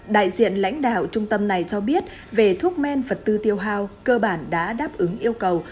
đại diện lãnh đạo trung tâm này cho biết về thuốc men vật tư tiêu hao cơ bản đã đáp ứng yêu cầu